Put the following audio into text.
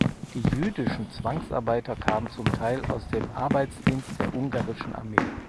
Die jüdischen Zwangsarbeiter kamen zum Teil aus dem Arbeitsdienst der ungarischen Armee.